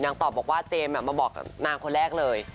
ตอบบอกว่าเจมส์มาบอกกับนางคนแรกเลย